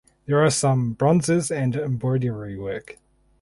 There are some bronzes and embroidery work.